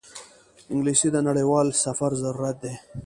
انګلیسي د نړیوال سفر ضرورت دی